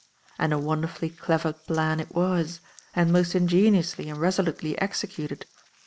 And a wonderfully clever plan it was, and most ingeniously and resolutely executed.